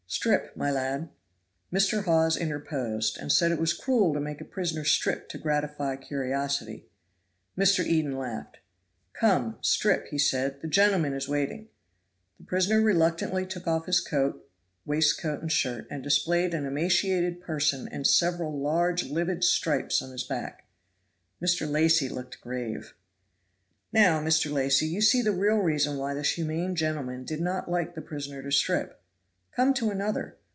Strip, my lad." Mr. Hawes interposed, and said it was cruel to make a prisoner strip to gratify curiosity. Mr. Eden laughed. "Come, strip," said he; "the gentleman is waiting." The prisoner reluctantly took off his coat, waistcoat and shirt, and displayed an emaciated person and several large livid stripes on his back. Mr. Lacy looked grave. "Now, Mr. Lacy, you see the real reason why this humane gentleman did not like the prisoner to strip. Come to another.